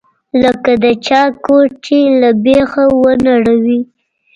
لکه د چا کور چې له بيخه ونړوې.